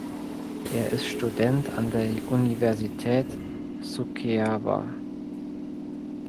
Er ist Student an der Universität Suceava.